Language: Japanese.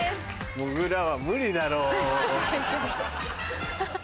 もぐらは無理だろう。